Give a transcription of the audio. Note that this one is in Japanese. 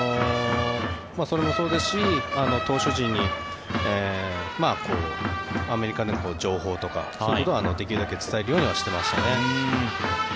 それもそうですし投手陣にアメリカの情報とかそういうことをできるだけ伝えるようにはしてましたね。